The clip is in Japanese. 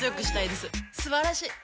すばらしい！